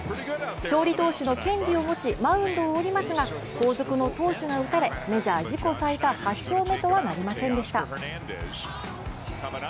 勝利投手の権利を持ちマウンドを降りますが後続の投手が打たれメジャー自己最多８勝目とはなりませんでした。